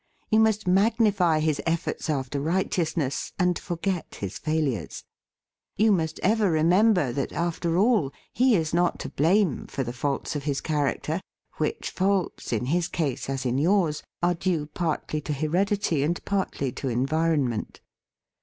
You must magnify his efforts after right eousness, and forget his failures. You must ever remember that, after all, he is not to blame for the faults of his character, which faults, in his case as in yours, are due partly to heredity and partly to environment.